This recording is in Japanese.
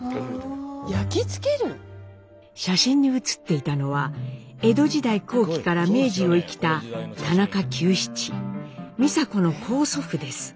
焼き付ける⁉写真に写っていたのは江戸時代後期から明治を生きた田中久七美佐子の高祖父です。